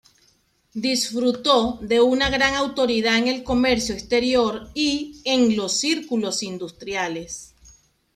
Disfrutó de una gran autoridad en el comercio exterior y en los círculos industriales.